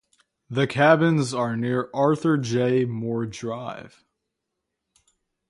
The cabins are near Arthur J. Moore Drive.